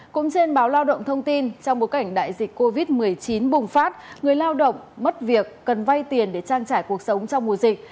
cũng trên báo lao động thông tin trong bối cảnh đại dịch covid một mươi chín bùng phát người lao động mất việc cần vay tiền để trang trải cuộc sống trong mùa dịch